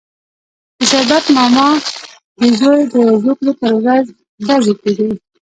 د شربت ماما د زوی د زوکړې پر ورځ ډزې کېدې.